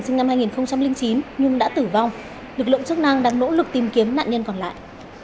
sinh năm hai nghìn chín nhưng đã tử vong lực lượng chức năng đang nỗ lực tìm kiếm nạn nhân còn lại